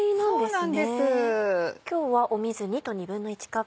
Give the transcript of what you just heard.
そうなんです。